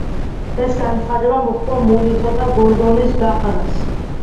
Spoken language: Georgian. ეს განცხადება მოჰყვა მურისა და გორდონის გაყრას.